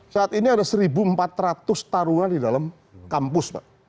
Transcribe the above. saat ini ada seribu empat ratus taruna di dalam kampus pak